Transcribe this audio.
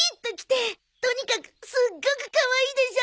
とにかくすっごくかわいいでしょ？